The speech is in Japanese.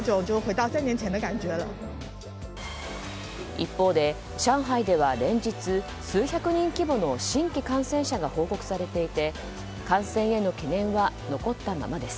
一方で上海では連日数百人規模の新規感染者が報告されていて感染への懸念は残ったままです。